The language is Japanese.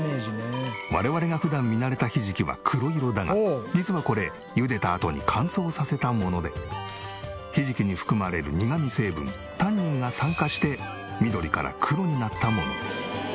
我々が普段見慣れたひじきは黒色だが実はこれひじきに含まれる苦み成分タンニンが酸化して緑から黒になったもの。